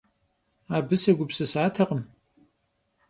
Абы сегупсысатэкъым.